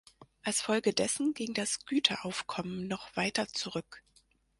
Als Folge dessen ging das Güteraufkommen noch weiter zurück.